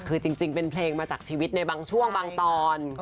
คือจริงเป็นเพลงมาจากชีวิตในบางช่วงบางตอน